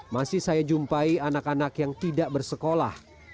masih saya jumpai anak anak yang tidak bersekolah